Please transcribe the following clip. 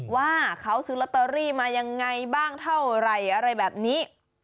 ว่าเขาซื้อลอตเตอรี่มายังไงบ้างเท่าไหร่อะไรแบบนี้